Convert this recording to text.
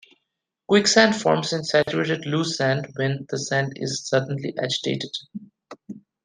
Quicksand forms in saturated loose sand when the sand is suddenly agitated.